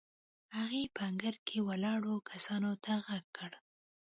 هغې په انګړ کې ولاړو کسانو ته غږ کړ.